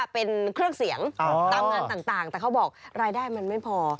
เป็นเครื่องเสียงตามงานต่างแต่เขาบอกรายได้มันไม่พอ